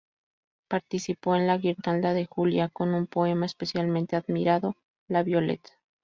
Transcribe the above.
Participó en la "Guirnalda de Julia" con un poema especialmente admirado: "La Violette".